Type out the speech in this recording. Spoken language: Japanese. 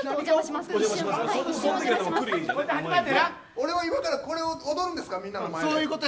俺は今からこれを踊るんですかみんなの前で。